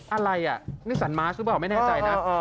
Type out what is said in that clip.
อะไรอ่ะนี่สันม้าหรือเปล่าไม่แน่ใจนะ